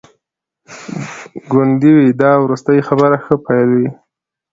ګوندي وي دا وروستي خبري ښه پیل وي.